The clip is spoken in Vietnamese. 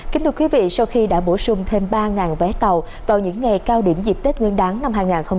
kính thưa quý vị sau khi đã bổ sung thêm ba vé tàu vào những ngày cao điểm dịp tết nguyên đáng năm hai nghìn hai mươi bốn